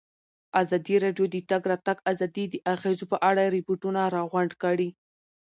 ازادي راډیو د د تګ راتګ ازادي د اغېزو په اړه ریپوټونه راغونډ کړي.